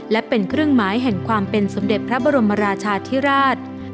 และเป็นเครื่องหมายแห่งความเป็นสมเด็จพระบรมราชาธิราช